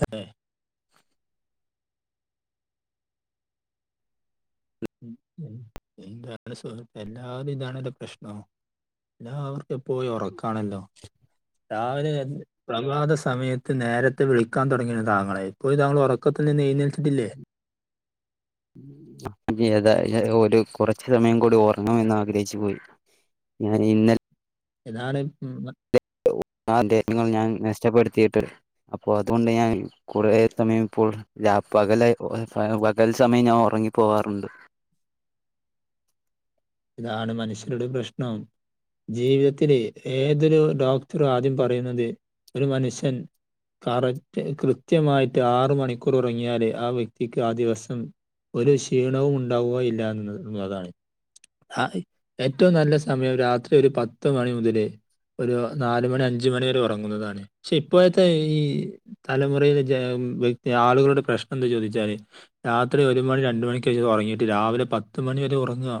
സെ [unintelligible] എല്ലാവരും ഇതാണല്ലോ പ്രശ്നോ എല്ലാവർക്കും എപ്പോയും ഉറക്കാണല്ലോ രാവിലെ പ്രഭാത സമയത്ത് നേരത്തെ വിളിക്കാൻ തുടങ്ങിയിരുന്നു താങ്കളെ എപ്പോഴും താങ്കൾ ഉറക്കത്തിൽ നിന്ന് എഴുനെറ്റിട്ടില്ലേയ് അ അതെ എ ഒരു കുറച് സമയം കൂടി ഒറങ്ങണംന്ന് ആഗ്രഹിച്ചു പോയി ഞാനിന്നൽ താണ് ആ തെ ങ്ങൾ ഞാൻ നഷ്ടപ്പെടുത്തിയിട്ട് അപ്പോ അതുകൊണ്ട് ഞാൻ കുറെ സമയം ഇപ്പോൾ രാപകല പകൽ സമയം ഞാൻ ഉറങ്ങി പോവാറുണ്ട് ഇതാണ് മനുഷ്യരുടെ പ്രശ്നം ജീവിതത്തിലെ ഏതൊരു ഡോക്ടറാദ്യം പറയുന്നത് ഒരു മനുഷ്യൻ കറക്റ്റ് കൃത്യമായിട്ട് ആറ് മണിക്കൂർ ഉറങ്ങിയാലേ ആ വ്യക്തിക്ക് ആ ദിവസം ഒരു ക്ഷീണവും ഉണ്ടാവുക ഇല്ല എന്ന് എന്നള്ളതാണ് ആഹ് ഏറ്റവും നല്ല സമയം രാത്രി ഒരു പത്ത് മണി മുതല് ഒരു നാല് മണി അഞ്ച് മണി വരെ ഉറങ്ങുന്നതാണ് പക്ഷെ ഇപ്പോഴത്തെ ഈ തലമുറയിലെ ജ വ്യതി ആളുകളുടെ പ്രശ്നം എന്താ ചോദിച്ചാല് രാത്രി ഒരു മണി രണ്ട് മണിക്കേഷ ഒ റങ്ങിയിട്ട് രാവിലെ പത്ത് മണിവരെ ഉറങ്ങാ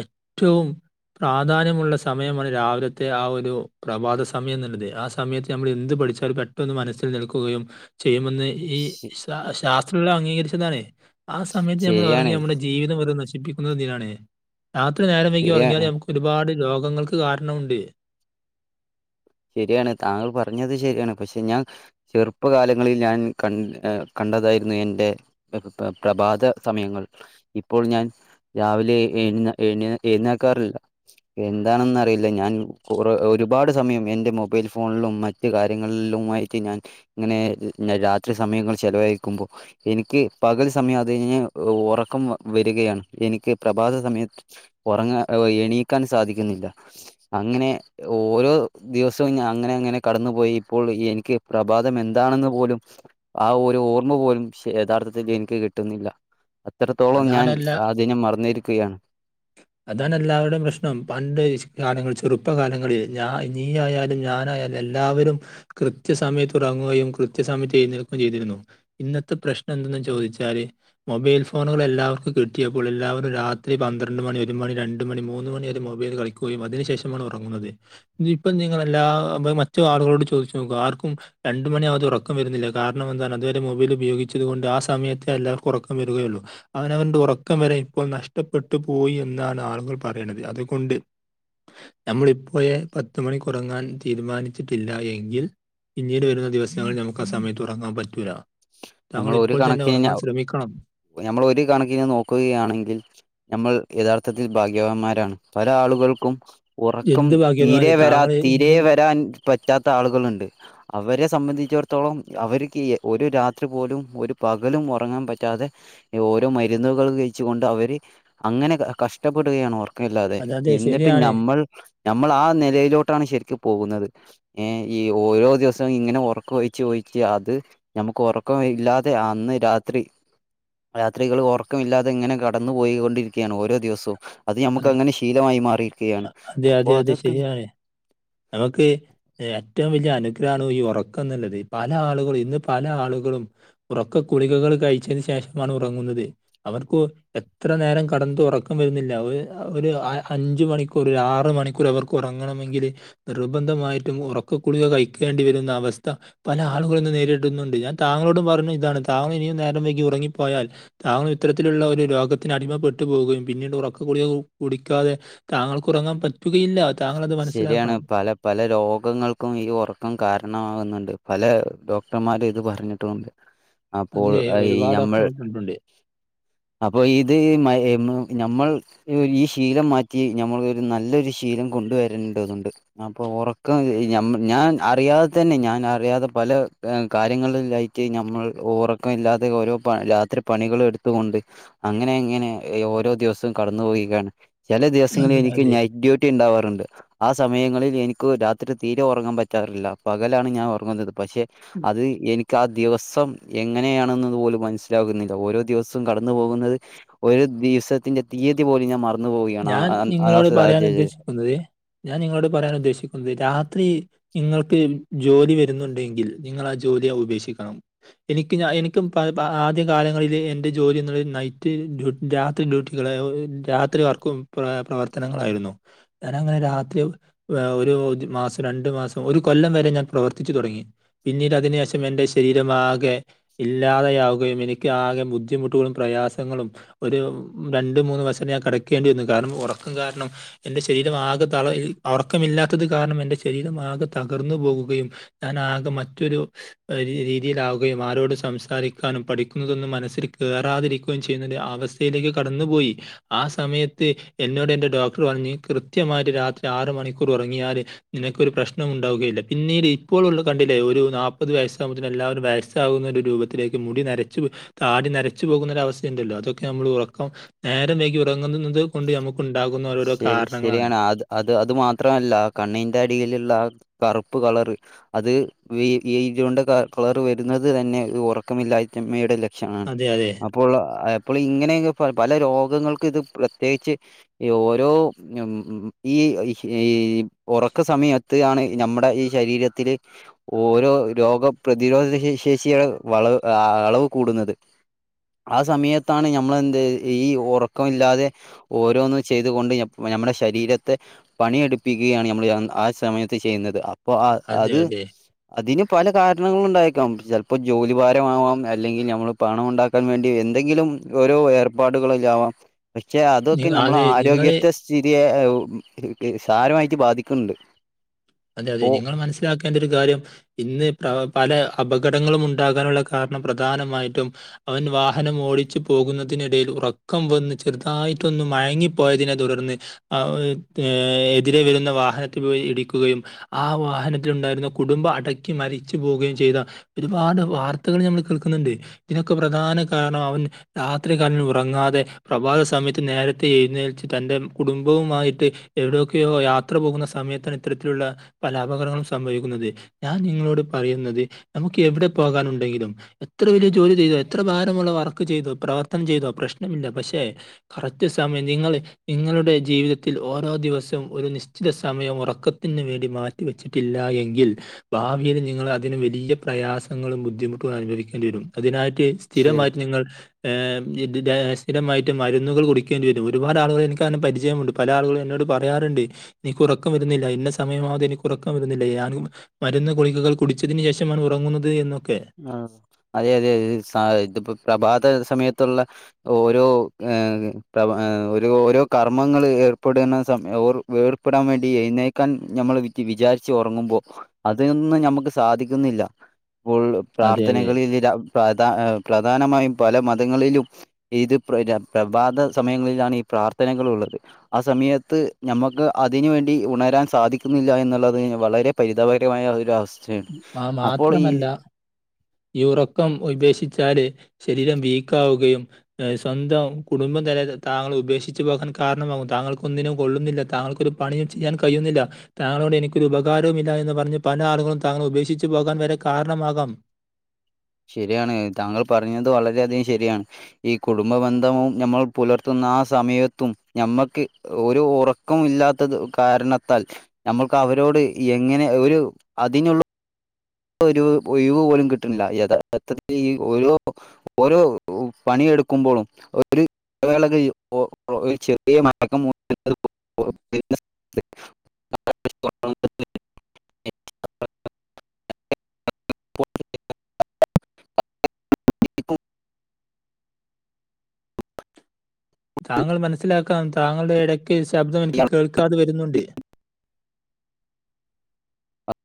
എറ്റവും പ്രാധാന്യമുള്ള സമയമാണ് രാവിലത്തെ ആ ഒരു പ്രഭാത സമയന്നുള്ളത് ആസ് സമയത്ത് നമ്മൾ എന്ത് പഠിച്ചാലും പെട്ടന്ന് മനസ്സിൽ നിൽക്കുകയും ചെയ്യുമെന്ന് ഈ ശ ശാസ്ത്രല്ലാ അംഗീകരിച്ചതാണ് ആ സമയത്ത് നമ്മൾ ശരിയാണ് ഉറങ്ങ്യ നമ്മുടെ ജീവിതം വെറു നശിപ്പിക്കുന്നതെ ന്തിനാണ് രാത്രി നേരം വൈകി ഉറങ്ങിയാല് ശരിയാണ് നമുക്ക് ഒരുപാട് രോഗങ്ങൾക്ക് കാരണമുണ്ട് ശരിയാണ് താങ്കൾ പറഞ്ഞത് ശരിയാണ് പക്ഷെ ഞാൻ ചെറുപ്പകാലങ്ങളിൽ ഞാൻ കൺ കണ്ടതായിരുന്നു എൻ്റെ പ്ര പ പ്രഭാത സമയങ്ങൾ ഇപ്പോൾ ഞാൻ രാവിലെ എഴ്ന്നെ എഴ്ന്നെ എഴുന്നേക്കാറില്ല എന്താണെന്നറിയില്ല ഞാൻ കുറ ഒരുപാട് സമയം മൊബൈൽ ഫോണിലും മറ്റ് കാര്യങ്ങളിലുമായിട്ട് ഞാൻ ഇങ്ങനെ ന്നെ രാത്രി സമയങ്ങൾ ചെലവഴിക്കുമ്പോ എനിക്ക് പകൽ സമയം അത് കഴിഞ്ഞഞ് ഉറക്കം വരുകയാണ് എനിക്ക് പ്രഭാത സമയ ഒറങ്ങ എണീക്കാൻ സാധിക്കുന്നില്ല അങ്ങനെ ഓരോ ദിവസവും അങ്ങനെ അങ്ങനെ കടന്നു പോോയി ഇപ്പോൾ എനിക്ക് പ്രഭാതം എന്താണെന്ന് പോലും ആ ഒരു ഓർമ്മ പോലും യഥാർത്ഥത്തിൽ എനിക്ക് കിട്ട്ന്നില്ല അത്രത്തോളം ഞാൻ അതാണെല്ലാ ആധിനെ മറന്നിരിക്കുകയാണ് അതാനല്ലാവരുടെയും പ്രശ്നം പണ്ട് ആണുങള് കാലങ്ങളിൽ ചെറുപ്പകാലങ്ങളിൽ നീ ആയാലും ഞാനായാലും എല്ലാവരും കൃത്യ സമയത്ത് ഉറങ്ങുകയും കൃത്യ സമയത്ത് എഴ് ന്നേൽക്കുകയും ചെയ്തിരുന്നു ഇന്നത്തെ പ്രശ്നം എന്തെന്ന് ചോദിച്ചാല് മൊബൈൽഫോ ഫോണുകൾ എല്ലാവർക്കും കിട്ടിയപ്പോൾ എല്ലാവരും രാത്രി പന്ത്രണ്ട് മണി ഒരു മണി രണ്ട് മണി മൂന്ന് മണിവരെ മൊബൈൽ കളിക്കും അതിനു ശേഷമാണ് ഉറങ്ങുന്നത് ഇപ്പം നിങ്ങളെല്ലാ മറ്റു ആളുകളോട് ചോദിച്ചു നോക്കും ആർക്കും രണ്ട മണിയാവതെ ഉറക്കം വരുന്നില്ല കാരണം എന്താണ് അതുവരെ മൊബൈൽ ഉപയോഗിച്ചത്കൊണ്ട് ആ സമയത്തെ എല്ലാവർക്കും ഉറക്കം വരുകയെള്ളു അവനവൻ്റെ ഉറക്കം വരെ ഇപ്പോൾ നഷ്ടപ്പെട്ടു പോയി എന്നാണ് ആളുകൾ പറിനത് അതുകൊണ്ട് നമ്മളിപ്പോയെ പത്ത് മണി കുറങ്ങാൻ തീരുമാനിച്ചിട്ടില്ല എങ്കിൽ പിന്നീട് വരുന്ന ദിവസങ്ങളിൽ നമുക്കാ സമയത്ത് ഉറങ്ങാൻ പറ്റൂല്ല നമ്മൾ നമ്മോൾ ഒരു ഇപ്പോൾ തന്നെ കണക്കിന് ഉറങ്ങാൻ ശ്രമിക്കണം നമ്മൾ ഒരു കണക്കിന് നോക്കുകയാണെങ്കിൽ നമ്മൾ യഥാർത്ഥത്തിൽ ഭാഗ്യവാന്മാരാണ് പല ആളുകൾക്കും ഉറക്കം എന്ത് ഭാഗ്യവാന് തീരെ വരാ താങ്കൾ തീരേ ഇന്നും വരാൻ പറ്റാത്ത ആളുകളുണ്ട് അവരെ സംബന്ധിച്ചിടത്തോളം അവരിക്കി ഒരു രാത് രാത്രി പോലും ഒരു പകലും ഉറങ്ങാൻ പറ്റാതെ ഓരോ മരുന്നുകൾ കഴിച്ചു കൊണ്ട് അവര് അങ്ങനെ കഷ്ടപ്പെടുകയാണ് അവർക് ല്ല അതെ എന്നിട്ട് നഞമ്മൾ നമ്മൾ ആ നിലയിലോട്ടാണ് ശരിക്കും പോകുന്നത് ഏഹ് ഈ ഓരോ ദിവസും ഇങ്ങനെ ഉറക്ക ഒഴിച്ചു ഒഴിച്ച് അത് നമുക്ക് ഉറക്ക കം ഇല്ലാതെ അന്ന് രാത്രി രായാത്രികൾ ഉറക്കമില്ലാതെ ഇങ്ങനെ കടന്നു പോയികൊണ്ടിരിക്കുകയാണ് ഓരോ ദിവസവും അത് നമുക്ക് അങ്ങനെ ശീലമായി മാറിയിരിക്കുകയാണ് അതെ അപ്പോ അതെ അതെ അതൊക്കെ ശരിയാണ്. നമുക്ക് ഏറ്റവും വലിയ അനുഗ്രഹാണ് ഈ ഉറക്കം എന്നുള്ളത് പല ആളുകളും ഇന്ന് പല ആളുകളും ഉറക്ക കുളികകൾ കഴിച്ചതിന് ശേഷമാണ് ഉറങ്ങുന്നത് അവർക്ക് എത്ര നേരം കടന്ന്ട് ഉറക്കം വരുന്നില്ല ഒരു അഞ്ച് മണിക്കൂർ ആറ് മണിക്കൂർ അവർക്ക് കുറങ്ങണമെങ്കിൽ നിർബന്ധമായും ഉറക്കക്കുളിക കഴിക്കേണ്ടി വരുന്ന അവസ്ഥ പല ആളുകളും ഇത് നേരിട്ടടുന്നുണ്ട് ഞാൻ താങോടും പറഞ്ഞു ഇതാണ് താങ് ഇനിയും നേരം വെകി ഉറങ്ങിപ്പോയാൽ താങ് ഇത്തരത്തിലുള്ള ഒരു രോഗത്തിന് അടിമപ്പെട്ടു പോകുകയും പിന്നീട് ഉറക്ക് കുടിക കുടിക്കാതെ താങ്കൾക്ക് ഉറങ്ങാൻ പറ്റുകയില്ല താങ്കൾ അത് ശരിയാണ് മനസ്സിലാക്കണം. പല പല രോഗങ്ങൾക്കും ഈ ഉറക്കം കാരണമാകുന്നുണ്ട് പല ഡോക്ടർമാര് ഇത് പറഞ്ഞിട്ടുണ്ട്. അപ്പോൾ അതെ. ഈ ഒരുപാട് നമ്മൾ ഓപ്ഷനുകൾ കണ്ടിട്ടുണ്ട്. അപ്പൊ ഇത് മയ് മു ഞമ്മൾ ഈ ശീലം മാറ്റി ഞമ്മൾ ഒരു നല്ലൊരു ശീലം കൊണ്ട് വരേണ്ടതുണ്ട് അപ്പൊ ഉറക്കം ഞ ഞാൻ അറിയാതെ തന്നെ ഞാൻ അറിയാതെ പല കാര്യങ്ങളിലയി ക്ക് നമ്മൾ ഉറക്കം ഇല്ലാതെ ഓരോ രാത്രി പണികള് ഇട്ത്തുകൊണ്ട് അങ്ങനെ ഇങ്ങനെ ഓരോ ദിവസവും കടന്നു പോയ്കയാണ് ചില ദിവസങ്ങളിൽ അതെ, എനിക്ക് അതെ. നൈറ്റ് ഡ്യൂട്ടി ഉണ്ടാവാറുണ്ട് ആ സമയങ്ങളിൽ എനിക്ക് രാത്രി തീരെ ഉറങ്ങാൻ പറ്റാറില്ല പകലാണ് ഞാൻ ഉറങ്ങുന്നത് പഷെ അത് എനി ആ ദിവസം എങ്ങനെയാണെന്ന് പോലും മനസ്സിലാകുന്നില്ല ഓരോ ദിവസവും കടന്നു പോകുന്നത് ഒരു ദിവസത്തിന്റെ തീയതി പോലും ഞാൻ മറന്നു പോവുകയാണ് ഞാൻ അങനതെ നിങ്ങളോട് പറയാൻ സാഹചര്യ ഉദ്ദേശിക്കുന്നത് ഞാൻ നിങ്ങളോട് പറയാൻ ഉദ്ദേശിക്കുന്നത് രാ രാത്രി നിങ്ങൾക്ക് ജോലി വരുന്നുണ്ടെങ്കിൽ നിങളാ ജോലിയെ ഉപേക്ഷിക്കണം എനിക്ക് ഞ എനിക്കും പ പ ആദ്യ കാലങ്ങളിൽ എന്റെ ജോലിഎന്ന് നൈറ്റ് ഡ്യൂ രാ രാത്രി ഡ്യൂട്ടികളെരാത്രി വർക്കും പ്രവർത്തനങ്ങളായിരുന്നു ഞങ്ങനെ രാത്രി ഏഹ് ഒരു മാസം രണ്ടു മാസം ഒരു കൊല്ലം വരെ ഞാൻ പ്രവർത്തിച്ചു തുടങ്ങി. പിന്നീട് അതിനു ശേഷം എൻറെ ശരീരംമാകെ ഇല്ലാതെയാവുകയും എനിക്ക് ആകെ ബുദ്ധിമുട്ടുകളും പ്രയാസങ്ങളും ഒരു രണ്ട് മൂന്ന് വർഷം ഞാൻ കടക്കേണ്ടി വന്നു കാരണം ഉറക്കം കാരണം എന്റെ ശരീരം ആകെ തളഅ് ഉറക്കമില്ലാത്തത് കാരണം എന്റെ ശരീരം ആകെ തകർന്നു പോവുകയും ഞാൻ ആകെ മറ്റൊരു ഒര് രീതിയിലാകുകയും ആരോട് സംസാരിക്കാനും പഠിക്കുന്നതൊന്നും മനസ്സിൽ കയറാതിരിക്കുകയും ചെയ്യുന്ന ഒരു അവസ് തയിലേക്ക് കടന്നുപോയി ആ സമയത്ത് എന്നോട് എന്റെ ഡോക്ടർ പറഞ്ഞ് കൃത്യമായിട്ട് രാത്രി ആറ് മണിക്കൂർ ഉറങ്ങിയാല് നിനക്കൊരു പ്രശ്നം ഉണ്ടാവുകയില്ല പിന്നീട് ഇപ്പോളുള്ളത് കണ്ടില്ലേ ഒരു നാപ്പത് വയസ്സാവുമ്പത്തിന് എല്ലാരും വയസ സാവുന്ന ഒരു രൂപത്തിലേക്ക് മുടി നരച്ചു താടി നരച്ചു പോകുന്നൊരവസ്ഥ ഉണ്ടല്ലോ അതൊക്കെ നമ്മള് ഉറക്കം നേരം വൈകി ഉറങ്ങുന്നത് കൊണ്ട് നമുക്ക് ഉണ്ടാകുന്ന ഓരോരോ ശരി കാരണങ്ങളാണ്. ശരിയാണ് അത് അത് അത് മാത്രമല്ല കണ്ണിന്റെ അടിയിലുള്ള ആ കറുപ്പ് കളർ അത് വീ ഈജോണ്ട് ക കളർ വരുന്നത് തന്നെ ഉറക്കമില്ലായ്റ്റമ്മയുടെ ല ക്ഷണാണ് അതെ അതെ അപ്പോള്ള അപ്പോൾ ഇങ്ങനെഇങ്ങ് പ പല രോഗങ്ങൾക്ക് ഇത് പ്രത്യേച്ച്. ഓരോ ഉം ഉം ഈഹിഹ് ഹയ് ഉറക്ക സമയം ത്ത് ആണ് നമ്മുടെ ഈ ശരീരത്തില് ഓരോ രോഗപ്രതിരോധ ശേശേഷിയാ വളവ് ആഹ് അളവ് കൂടുന്നത്. ആ സമയത്താണ് ഞമ്മളെന്ത് ഈ ഉറക്കമില്ലാതെ ഓരോന്നും ചെയ്തുകൊണ്ട് ഞം ഞമ്മുടെ ശരീരത്തെ പണിയെടുപ്പിക്കുകയാണ് നമ്മൾ ആ സമയത്ത് ചെയ്യുന്നത്. പ്പൊ അ അതെ അത് അതെ. അതിന് പല കാരണങ്ങളും ഉണ്ടായേക്കാം ചിലപ്പോ ജോലി ഭാരമാവാം അല്ലെങ്കിൽ ഞമ്മള് പണം ഉണ്ടാക്ക ആൻ വേണ്ടി എന്തെങ്കിലും ഓരോ ഏർപ്പാടുകളിലാവാം പക്ഷെ അതൊക്കെ നിങ്ങ- ഞമ്മൾ ആ അതെ നിങ്ങൾ സ്ഥിതിയെ നിക്ക് സാരമായിട്ട് ബാധിക്കുന്നുണ്ട്. അതെ അതെ അപ്പോ നിങ്ങള് മനസ്സിലാക്കേണ്ട ഒരു കാര്യം ഇന്ന് പ്ര പല അപകടങ്ങളും ഉണ്ടാകാനുള്ള കാരണം പ്രധാനമായിട്ടും. അവൻ വാഹനം ഓടിച്ചു പോകുന്നതിനിടയിൽ ഉറക്കം വന്ന് ചെറുതായിട്ടൊന്ന് മയങ്ങിപ്പോയതിനെ തുടർന്ന്- അ ഒഅ് ഏ എതിരെ വരുന്ന വാഹനത്തിൽ പോയി ഇടിക്കുകയും. ആഹ് വാഹനത്തിൽ ഉണ്ടായിരുന്ന കുടുംബം അടക്കെ മരിച്ചു പോവുകയും ചെയ്ത ഒരുപാട് വാർത്തകൾ ഞമ്മള് കേൾക്കുന്നുണ്ട് ഇതിനൊക്കെ പ്രധാന കാരണം അവൻ രാത്രി കണ്ണ് ഉറങ്ങാതെ പ്രഭാത സമയത്ത് നേരത്തെ എഴുന്നേൽച്ച് തന്റെ കുടുംബവുമായിട്ട് എവിടെയൊക്കെയോ യാത്ര പോകുന്ന സമയത്താണ് ഇത്തരത്തിലുള്ള പലഅപകടങ്ങളും സംഭവിക്കുന്നത്. ഞാൻ നിങ്ങളോട് പറയുന്നത് നമുക്ക് എവിടെ പോകാനുണ്ടെങ്കിലും എത്ര വലിയ ജോലി ചെയ്തോ, എത്ര ഭാരമുള്ള വർക്ക് ചെയ്തോ, പ്രവർത്തനം ചെയ്തോ, പ്രശ്നമില്ല പക്ഷെ കറക്റ്റ് സമയം നിങ്ങള് നിങ്ങളുടെ ജീവിതത്തിൽ ഓരോ ദിവസവും ഒരു നിശ്ചിത സമയം ഉറക്ക ത്തിന്ന് വേണ്ടി മാറ്റിവെച്ചിട്ടില്ലാ എങ്കിൽ ഭാവിയിൽ നിങ്ങൾ അതിന് വലിയ പ്രയാസങ്ങളും ബുദ്ധിമുട്ടും അനുഭവിക്കേണ്ടി വരും അതിനായിട്ട് ശരി സ്ഥിരമായിട്ട് നിങ്ങൾ ഏഹ് ദി ദി ദേ സ്ഥിരമായിട്ട് മരുന്നുകൾ കുടിക്കേണ്ടി വരും ഒരുപാട് ആളുകളെ എനിക്ക് അങ്ങനെ പരിചയമുണ്ട്. പല ആളുകളും എന്നോട് പറയാറുണ്ട് നിക്ക് ഉറക്കം വരുന്നില്ല. ഇന്ന സമയമാവാതെ എനിക്ക് ഉറക്കം വരുന്നില്ല ഞാന് മരുന്ന് ഗുളികകൾ കുടിച്ചതിന് ശേഷമാണ് ഉറങ്ങുന്നത് എന്നൊക്കെ ആ അതെ അതെ ഇഅ് സാഹ് ഇതിപ്പോ പ്രഭാത സമയത്തുള്ള ഓരോ ഏഹ് പ്രവ ഏഹ് ഓരോ ഓരോ കർമ്മങ്ങള് ഏർപ്പെടുന്ന സമയ ഓർ വേർപ്പെടാൻ വേണ്ടി എഴുന്നേക്കാൻ നമ്മൾ വിറ്റ് വിചാരിച്ചു ഉറങ്ങുമ്പോ അതിനൊന്നും നമുക്ക് സാധിക്കുന്നില്ല. അതെ, അതെ. പ്രാർത്ഥനകളില് ര പ്രധ ഏഹ് പ്രധാനമായും പല മതങ്ങളിലും ഇത് പ്രിന്നെ പ്രഭാത സമയങ്ങളിലാണ് ഈ പ്രാർത്ഥനകൾ ഉള്ളത്. ആ സമയത്ത് ഞമ്മക്ക് അതിന് വേണ്ടി ഉണരാൻ സാധിക്കുന്നില്ല എന്നുള്ളതിന് വളരെ- പരിതാപകരമായ ഒര്അവസ്ഥേണ് ആ അപ്പോൾ ഈ മാത്രമല്ല, ഈ ഉറക്കം ഒയ്പേഷിച്ചാല് ശരീരം വീക്കാവുകയും സ്വന്തം കുടുംബം തന്നെ താങ്കൾ ഉപേക്ഷിച്ചച്ച് പോകാൻ കാരണമാകും. താങ്കൾക്ക് ഒന്നിനും കൊള്ളുന്നില്ല താങ്കൾ പണിയു ചെയ്യാൻ കഴിയുന്നില്ല താങ്കളോട് എനിക്കൊരു ഉപകാരവുമില്ല എന്ന് പറഞ്ഞ് പല ആളുകളും താങ്കളെ ഉപേക്ഷിച്ച് പോകാൻ വരെ കാരണമാകാം ശെരിയാണ് താങ്ങൾ പറഞ്ഞത് വളരെ അധികം ശെരിയാണ് ഈ കുടുംബ ബന്ധവും ഞമ്മൾ പുലർത്തുന്ന ആ സമയത്തും നമ്മക്ക് ഒരു ഉറക്കം ഇല്ലാത്തത് കാരണത്താൽ ഞമ്മൾക്ക് അവരോട് എങ്ങനെ ഒരു അതിനു ഒരു ഒഴിവ് പോലും കിട്ട്ണ്ല്ല. യഥാർത്ഥത്തിൽ ഈ ഒരു ഓരോ പണിയെടുക്കുമ്പോളും ഒര് വേലക്കെയ്യും ഓ ഓ ചെറിയ മാറ്റക്കം മൂ [inaudible] [unintelligible] താങ്ങൾ മനസ്സിലാക്കാൻ താങ്ങള്ടെ എടക്ക് ശബ്ദം എനിക്ക് കേൾക്കാതെ വെരുന്നുണ്ട്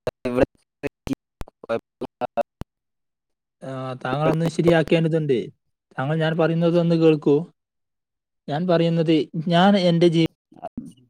[unintelligible] ആഹ് താങ്ങളാെന്ന് ശരിയാക്കേണ്ടതുണ്ട് താങ്ങൾ ഞാൻ പറയുന്നതൊന്ന് കേൾക്കു ഞാൻ പറയുന്നത് ഞാൻ എന്റെ ജീ ആഹ് ഉം